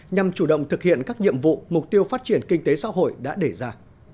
nhằm chủ động thực hiện các nhiệm vụ mục tiêu phát triển kinh tế xã hội đã đề ra